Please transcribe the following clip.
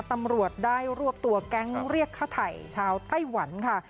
ตำรวจได้รวบตัวแก๊งเรียกค่าไถ่ชาวไต้หวันค่ะ